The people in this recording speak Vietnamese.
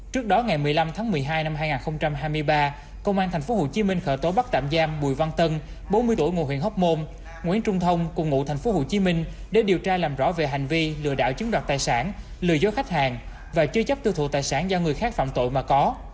trước đó ngày một mươi năm tháng một mươi hai năm hai nghìn hai mươi ba công an tp hcm khởi tố bắt tạm giam bùi văn tân bốn mươi tuổi ngụ huyện hóc môn nguyễn trung thông cùng ngụ tp hcm để điều tra làm rõ về hành vi lừa đảo chiếm đoạt tài sản lừa dối khách hàng và chưa chấp tư thụ tài sản do người khác phạm tội mà có